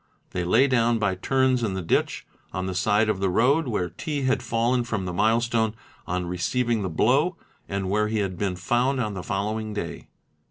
They lay down by turns in the ditch on the side of the road where T. had fallen from the milestone on receiving the blow and where he had been found on the following day.